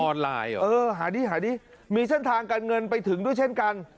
เออหาดีหาดีมีเส้นทางการเงินไปถึงด้วยเช่นกัน